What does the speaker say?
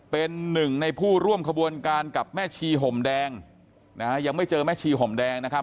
เป็นหนึ่งในผู้ร่วมขบวนการกับแม่ชีห่มแดงนะฮะยังไม่เจอแม่ชีห่มแดงนะครับ